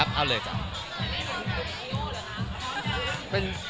กล้อมไหมค่ะ